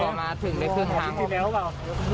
พอมาถึงได้พึ่งทาง